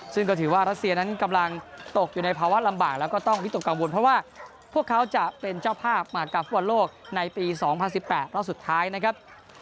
ซึ่งก็ถือว่ารัสเซียนั้นกำลังตกอยู่ในภาวะลำบากแล้วก็ต้องวิตกกังวลเพราะว่าพวกเขาจะเป็นเจ้าภาพมากับฟุตบอลโลกในปี๒๐๑๘รอบสุดท้ายนะครับ